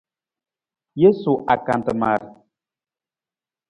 Jesu akantamar.